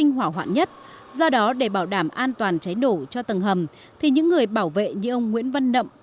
nếu không có thể làm an toàn cháy nổ cho tầng hầm thì những người bảo vệ như ông nguyễn văn nậm